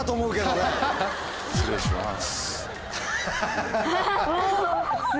失礼します。